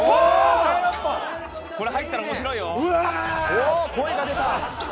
おお声が出た。